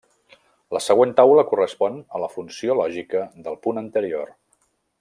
La següent taula correspon a la funció lògica del punt anterior.